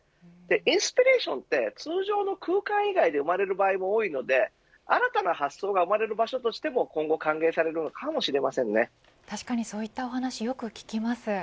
インスピレーションは通常の空間以外で生まれる場合も多いので新たな発想が生まれる場所としても確かにそういったお話よく聞きます。